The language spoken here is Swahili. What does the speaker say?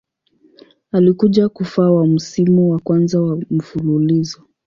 Alikuja kufa wa msimu wa kwanza wa mfululizo.